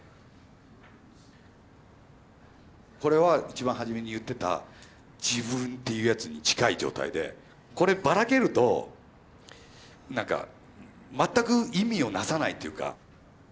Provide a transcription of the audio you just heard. これは一番初めに言ってた「自分」っていうやつに近い状態でこればらけるとなんか全く意味を成さないというか。